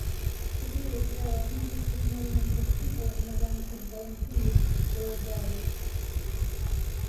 Today, there are hundreds of millions of people in the ranks of volunteers worldwide.